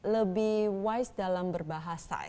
lebih wise dalam berbahasa